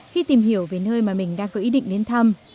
khi tìm hiểu về nơi mà mình đang có ý định đến thăm